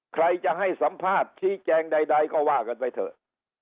ใครจะให้สัมภาษณ์ชี้แจงใดก็ว่ากันไปเถอะ